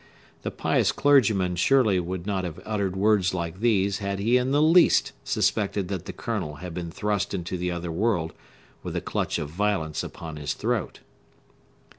The pious clergyman surely would not have uttered words like these had he in the least suspected that the Colonel had been thrust into the other world with the clutch of violence upon his throat.